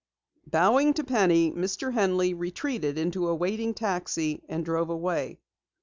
Bowing to Penny, Mr. Henley retreated into a waiting taxi and drove away.